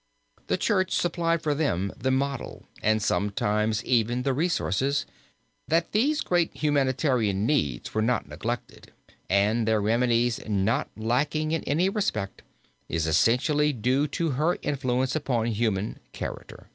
The church supplied for them the model and sometimes even the resources; that these great humanitarian needs were not neglected and their remedies not lacking in any respect is essentially due to her influence upon human character."